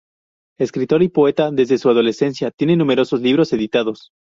Escritor y poeta desde su adolescencia, tiene numerosos libros editados.